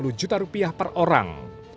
sehingga rp lima puluh per orang